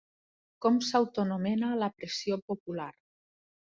Com s'autoanomena la pressió popular?